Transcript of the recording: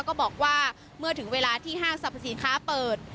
ก็บอกว่าเมื่อถึงเวลาที่ห้างสรรพสินค้าเปิด